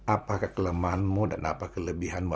apakah kelemahanmu dan apakah kelebihanmu